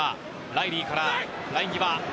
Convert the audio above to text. ライリーからライン際。